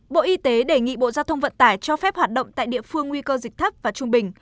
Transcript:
bộ y tế đề nghị bộ giao thông vận tải cho phép hoạt động tại địa phương nguy cơ dịch thấp và trung bình